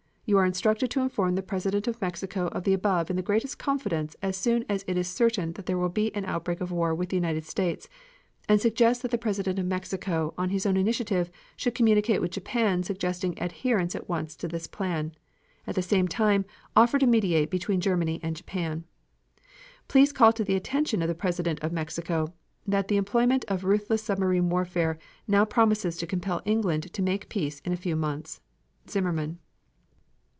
You are instructed to inform the President of Mexico of the above in the greatest confidence as soon as it is certain that there will be an outbreak of war with the United States, and suggest that the President of Mexico, on his own initiative, should communicate with Japan suggesting adherence at once to this plan; at the same time, offer to mediate between Germany and Japan. Please call to the attention of the President of Mexico that the employment of ruthless submarine warfare now promises to compel England to make peace in a few months. ZIMMERMAN.